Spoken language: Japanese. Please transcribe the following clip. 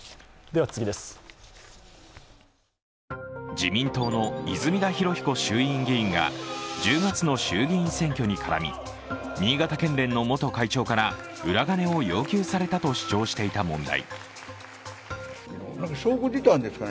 自民党の泉田裕彦衆院議員が１０月の衆議院選挙に絡み、新潟県連の元会長から裏金を要求されたと主張していた問題。